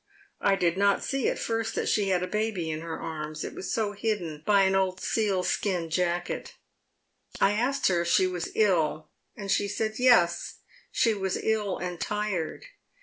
I did not see at first that she had a baby in her arms, it was so hidden by an old sealskin jacket. I asked her if she was ill, and she said yes, she was ill and tired.